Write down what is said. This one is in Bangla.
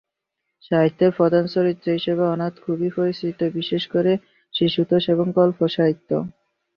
সাহিত্যে প্রধান চরিত্র হিসেবে অনাথ খুবই প্রচলিত, বিশেষ করে শিশুতোষ এবং কল্প সাহিত্যে।